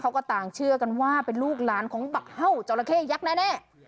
เขาก็ต่างเชื่อกันว่าเป็นลูกหลานของบักเห่าจราเข้ยักษ์แน่